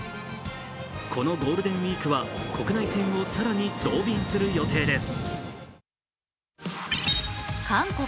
このゴールデンウイークは国内線を更に増便する予定です。